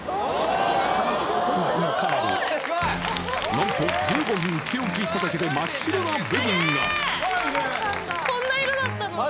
なんと１５分つけ置きしただけで真っ白な部分が。